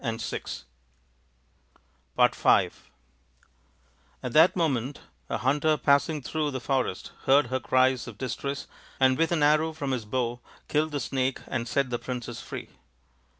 NALA THE GAMESTER 131 At that moment a hunter passing through the forest heard her cries of distress and with an arrow from his bow killed the snake and set the princess free.